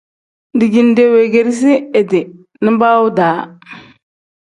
Dijinde weegeresi idi nibaawu-daa.